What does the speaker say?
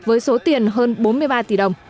với số tiền hơn bốn mươi ba tỷ đồng